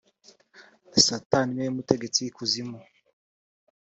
satani ni we mutegetsi w’ikuzimu